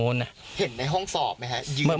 เห็นในห้องสอบไหมฮะ